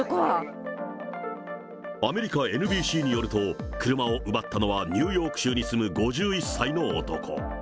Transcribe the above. アメリカＮＢＣによると、車を奪ったのはニューヨーク州に住む５１歳の男。